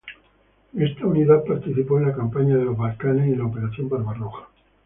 Esta unidad participó en la campaña de los Balcanes y en la Operación Barbarroja.